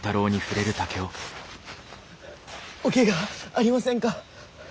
おけがはありませんか？